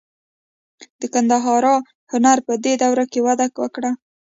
د ګندهارا هنر په دې دوره کې وده وکړه.